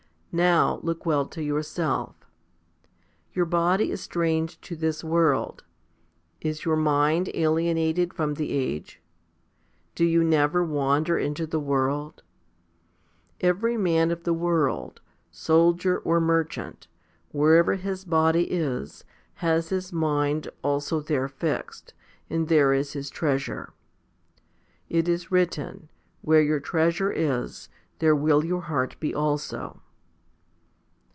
Now look well to yourself. Your body is strange to this world ; is your mind alienated from the age ? do you never wander into the world ? Every man of the world, soldier, or merchant, wherever his body is, has his mind also there fixed, and there is his treasure. It is written, Where your treasure is, there will your heart be also.